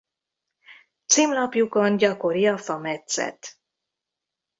Címlapjukon gyakori a fametszet.